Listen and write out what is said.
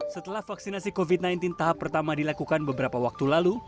setelah vaksinasi covid sembilan belas tahap pertama dilakukan beberapa waktu lalu